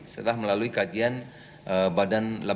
setelah melalui kajian badan